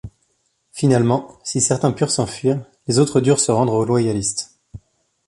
Finalement, si certains purent s'enfuir, les autres durent se rendre aux Loyalistes.